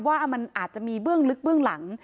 ว่ามันอาจจะมีเบื้องลึกเบื้องหลัง